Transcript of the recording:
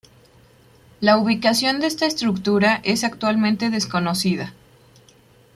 La ubicación de esta estructura es actualmente desconocida.